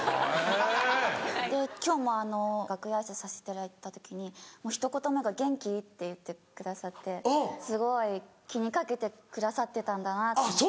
今日も楽屋挨拶させていただいた時にもうひと言目が「元気？」って言ってくださってすごい気に掛けてくださってたんだなって。